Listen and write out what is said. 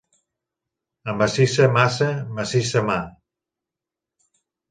A massissa massa, massisa mà.